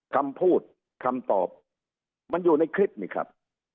คำพูดคำตอบมันอยู่ในคลิปนี่ครับ